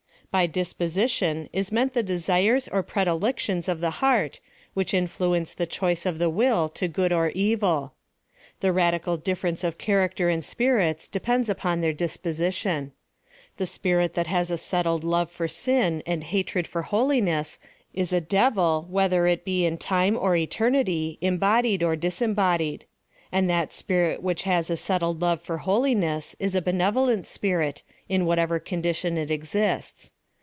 By disposition, is meant the desires or predilections of the heart, which influence the choice of the will to good or evil. The radical difference of character in spirits depends upon their disposition. The spirit that has a settled, love for sin and hatred for holiness, is a dev'l, whether it be in time or eternity — embodied \dS PHILOSOPHY OF T H 3 or disembodied. And that spirit which has a set tied love for holiness, is a benevolent spirit, in what ever condition it exists.